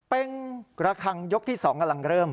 เบ้งรักฆังยกที่๒กำลังเริ่ม